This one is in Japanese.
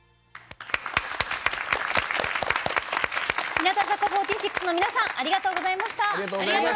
日向坂４６の皆さんありがとうございました。